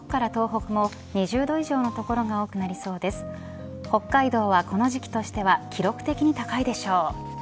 北海道はこの時期としては記録的に高いでしょう。